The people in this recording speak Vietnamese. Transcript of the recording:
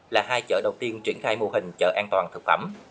là hai chợ đầu tiên triển khai mô hình chợ an toàn thực phẩm